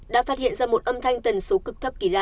đã phát hiện ra một âm thanh tần số cực thấp kỳ lạ